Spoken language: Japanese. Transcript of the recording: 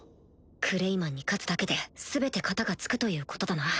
クレイマンに勝つだけで全て片が付くということだな